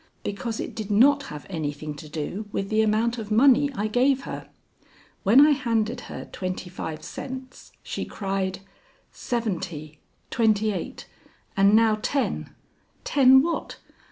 "Because it did not have anything to do with the amount of money I gave her. When I handed her twenty five cents, she cried, 'Seventy, twenty eight, and now ten!' Ten what?